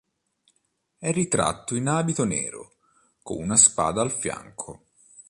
È ritratto in abito nero con una spada al fianco.